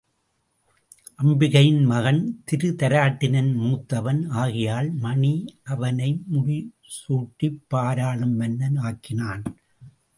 அம்பிகையின் மகன் திருதராட்டிரன் மூத்தவன் ஆகையால் மணி அவனை முடி சூட்டிப் பாராளும் மன்னன் ஆக்கினான்.